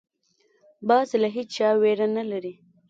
باز له هېچا ویره نه لري